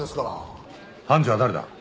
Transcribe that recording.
判事は誰だ？